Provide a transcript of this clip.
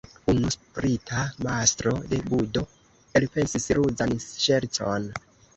Unu sprita mastro de budo elpensis ruzan ŝercon.